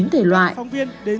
để tìm hiểu